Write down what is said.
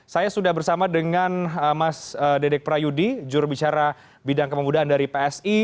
saya sudah bersama dengan mas dedek prayudi jurubicara bidang kepemudaan dari psi